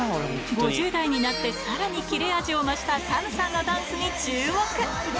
５０代になってさらに切れ味を増したＳＡＭさんのダンスに注目。